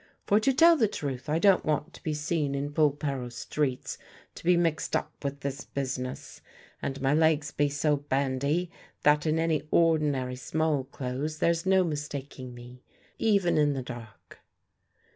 For, to tell the truth, I don't want to be seen in Polperro streets to be mixed up with this business, and my legs be so bandy that in any ordinary small clothes there's no mistaking me, even in the dark."